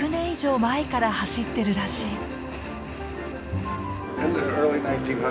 以上前から走ってるらしい。